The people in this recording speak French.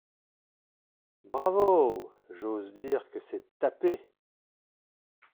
Bravo ! j’ose dire que c’est tapé !